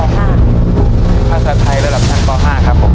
ภาษาไทยระดับชั้นป๕ครับผม